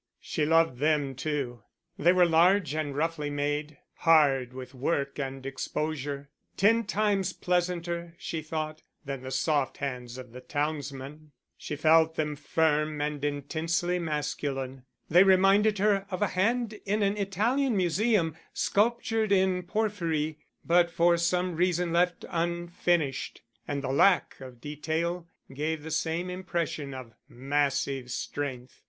She loved them too. They were large and roughly made, hard with work and exposure, ten times pleasanter, she thought, than the soft hands of the townsman. She felt them firm and intensely masculine. They reminded her of a hand in an Italian Museum, sculptured in porphyry, but for some reason left unfinished; and the lack of detail gave the same impression of massive strength.